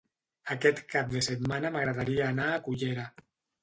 Aquest cap de setmana m'agradaria anar a Cullera.